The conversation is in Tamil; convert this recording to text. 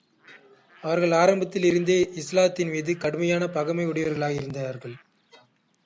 அவர்கள் ஆரம்பத்திலிருந்தே இஸ்லாத்தின் மீது கடுமையான பகைமை உடையவர்களாயிருந்தார்கள்.